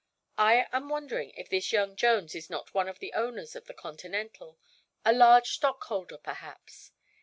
I am wondering if this young Jones is not one of the owners of the Continental a large stockholder, perhaps.